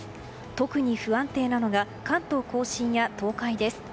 特に不安定なのが関東・甲信や東海です。